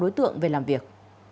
đối tượng về làm việc